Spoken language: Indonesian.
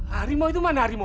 harimau itu mana harimau